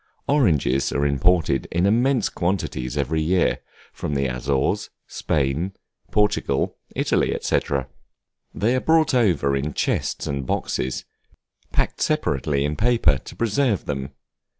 Oranges are imported in immense quantities every year, from the Azores, Spain, Portugal, Italy, &c. They are brought over in chests and boxes, packed separately in paper to preserve them.